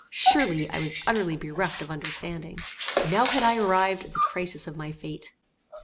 Surely I was utterly bereft of understanding. Now had I arrived at the crisis of my fate.